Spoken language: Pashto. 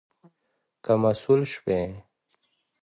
که مسؤول شوې